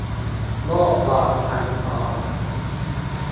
โลกร้อนซ้ำซ้อน